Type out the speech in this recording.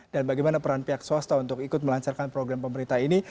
dan bagaimana peran pihak swasta untuk ikut melancarkan program pemerintah ini